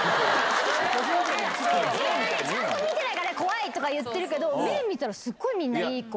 ちゃんと見てないから怖い！とか言ってるけど目見たらすごいみんないい子。